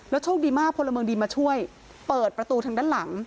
โชคดีมากพลเมืองดีมาช่วยเปิดประตูทางด้านหลัง